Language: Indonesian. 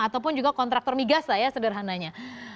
ataupun juga kontraktor migas lah ya sederhananya